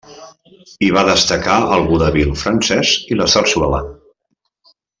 Hi va destacar el vodevil francès i la sarsuela.